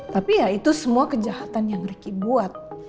tapi ya itu semua kejahatan yang ricky buat